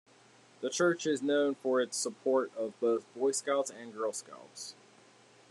The church is known for it support of both Boy Scouts and Girls Scouts.